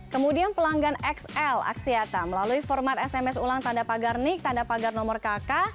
kemudian pelanggan xl aksiata melalui format sms ulang tanda pagar nik tanda pagar nomor kk